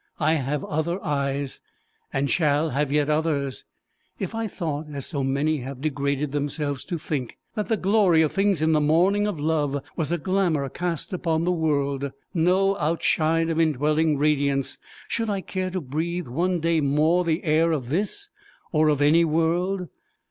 I have other eyes, and shall have yet others. If I thought, as so many have degraded themselves to think, that the glory of things in the morning of love was a glamour cast upon the world, no outshine of indwelling radiance, should I care to breathe one day more the air of this or of any world?